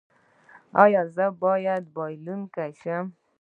ایا زه باید بایلونکی شم؟